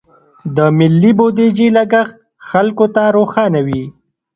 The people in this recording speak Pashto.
د ملي بودیجې لګښت خلکو ته روښانه وي.